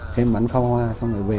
xem bắn phao hoa xong rồi về